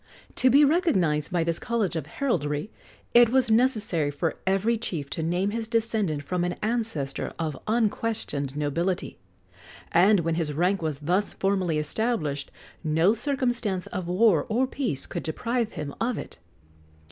To be recognized by this college of heraldry, it was necessary for every chief to name his descent from an ancestor of unquestioned nobility; and when his rank was thus formally established, no circumstance of war or peace could deprive him of it.